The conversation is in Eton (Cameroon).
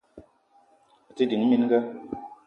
A te ding mininga.